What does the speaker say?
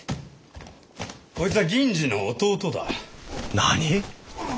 こいつは銀次の弟だ。何！？